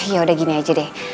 yaudah gini aja deh